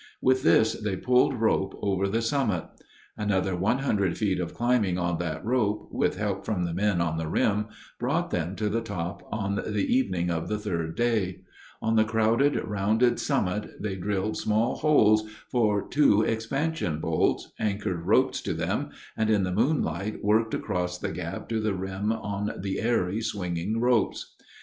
With this they pulled rope over the summit. Another 100 feet of climbing on that rope, with help from the men on the rim, brought them to the top on the evening of the third day. On the crowded, rounded summit they drilled small holes for two expansion bolts, anchored ropes to them, and in the moonlight worked across the gap to the rim on the airy, swinging ropes.